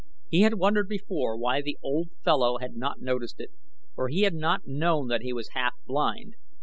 He had wondered before why the old fellow had not noticed it, for he had not known that he was half blind.